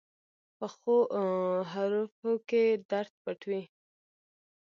پخو حرفو کې درد پټ وي